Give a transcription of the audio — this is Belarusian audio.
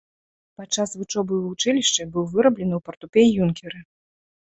Падчас вучобы ў вучылішчы быў выраблены ў партупей-юнкеры.